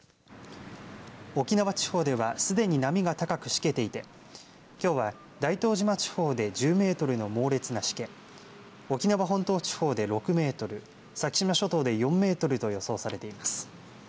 沖縄地方ではすでに波が高くしけていてきょうは大東島地方で１０メートルの猛烈なしけ沖縄本島地方で６メートル先島諸島で４メートルと予想されています。